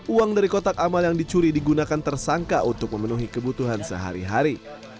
uang dari kotak amal yang dicuri digunakan tersangka untuk memenuhi kebutuhan sehari hari